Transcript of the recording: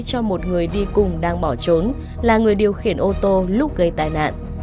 cho một người đi cùng đang bỏ trốn là người điều khiển ô tô lúc gây tai nạn